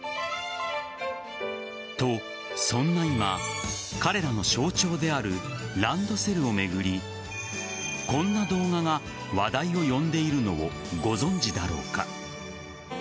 と、そんな今彼らの象徴であるランドセルを巡りこんな動画が話題を呼んでいるのをご存じだろうか。